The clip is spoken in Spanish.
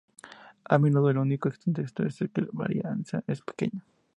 A menudo el único contexto es que la varianza es "pequeña".